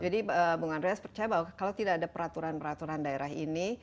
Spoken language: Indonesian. jadi bu andreas percaya bahwa kalau tidak ada peraturan peraturan daerah ini